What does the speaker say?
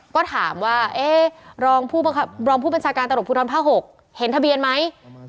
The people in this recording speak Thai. ก็ถามว่ารองผู้บัญชาการตำรวจภูทรภาค๖เห็นทะเบียนไหม